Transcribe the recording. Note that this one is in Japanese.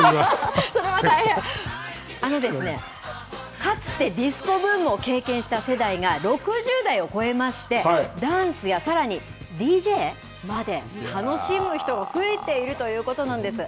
あのですね、かつてディスコブームを経験した世代が６０代を超えまして、ダンスやさらにＤＪまで楽しむ人が増えているということなんです。